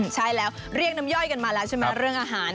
ใช่แล้วเรียกน้ำย่อยกันมาแล้วใช่ไหมเรื่องอาหาร